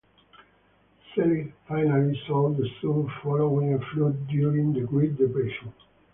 Selig finally sold the zoo following a flood during the Great Depression.